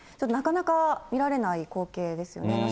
なかなか見られない光景ですよね。